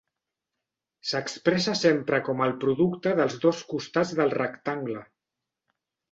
S'expressa sempre com el producte dels dos costats del rectangle.